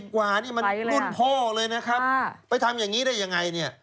กว่านี่มันรุ่นพ่อเลยนะครับไปทำอย่างนี้ได้ยังไงเนี่ย